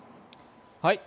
はい。